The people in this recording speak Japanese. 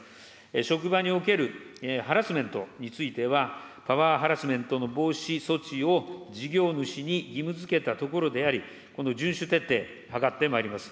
職場におけるハラスメントについては、パワーハラスメントの防止措置を事業主に義務づけたところであり、この順守徹底、図ってまいります。